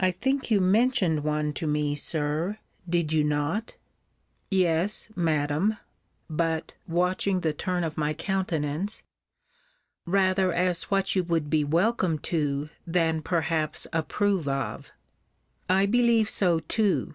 I think you mentioned one to me, Sir Did you not? Yes, Madam, [but, watching the turn of my countenance,] rather as what you would be welcome to, than perhaps approve of. I believe so too.